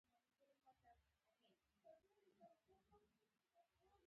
یو وخت موږ لغمان کې نوی کور جوړ کړی و.